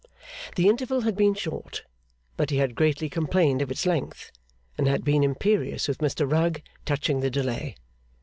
The interval had been short, but he had greatly complained of its length, and had been imperious with Mr Rugg touching the delay.